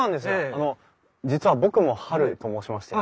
あの実は僕もハルと申しまして。